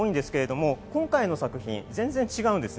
今回の作品、全然違います。